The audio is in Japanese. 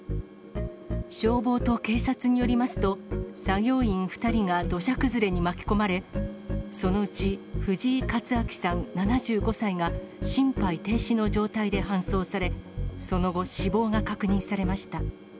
消防と警察によりますと、作業員２人が土砂崩れに巻き込まれ、そのうち藤井勝秋さん７５歳が、心肺停止の状態で搬送され、その後、死亡が確認されました。